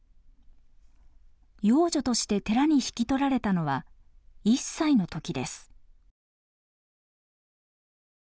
養女として寺に引き取られたのは１歳の時です。